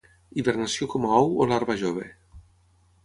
Hibernació com a ou o larva jove.